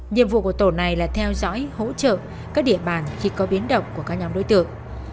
nhiệm vụ của tổ này là theo dõi hỗ trợ các địa bàn khi có biến động của các nhóm đối tượng